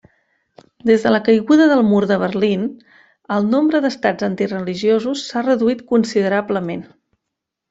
Des de la caiguda del mur de Berlín, el nombre d'estats antireligiosos s'ha reduït considerablement.